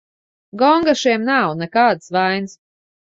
Gonga šiem nav, nekādas vainas.